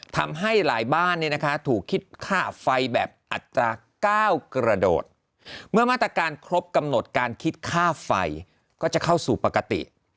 ทำให้หลายบ้านเนี่ยนะคะถูกคิดค่าไฟแบบอัตรา๙กระโดดเมื่อมาตรการครบกำหนดการคิดค่าไฟก็จะเข้าสู่ปกติ